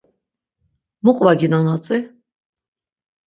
Mu qvaginon atzi?